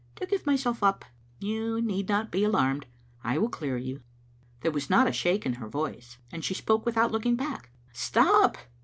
"To give myself up. You need not be alarmed; I will clear you." There was not a shake in her voice, and she spoke without looking back. "Stop!"